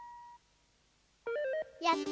やった！